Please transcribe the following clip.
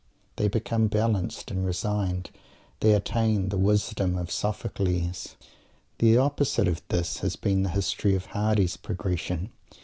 They become balanced and resigned. They attain "the wisdom of Sophocles." The opposite of this has been the history of Mr. Hardy's progression.